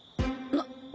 なっ。